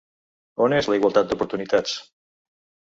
On és la igualtat d'oportunitats?